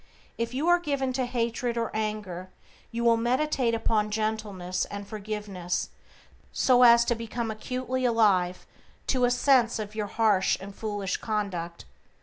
If you are given to hatred or anger you will meditate upon gentleness and forgiveness, so as to become acutely alive to a sense of your harsh and foolish conduct.